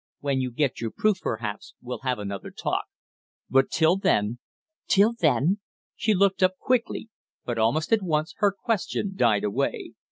"When you get your proof perhaps we'll have another talk; but till then " "Till then?" She looked up quickly; but almost at once her question died away.